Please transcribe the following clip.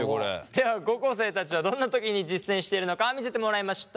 では高校生たちはどんな時に実践しているのか見せてもらいました。